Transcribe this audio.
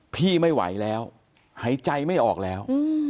พี่ไม่ไหวแล้วหายใจไม่ออกแล้ว